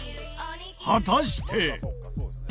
果たして。